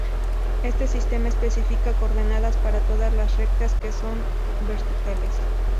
Este sistema especifica coordenadas para todas las rectas que no son verticales.